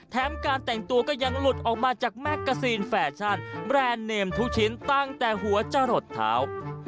การแต่งตัวก็ยังหลุดออกมาจากแมกกาซีนแฟชั่นแบรนด์เนมทุกชิ้นตั้งแต่หัวจะหลดเท้า